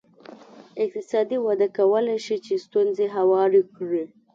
اقتصادي وده کولای شي چې ستونزې هوارې کړي.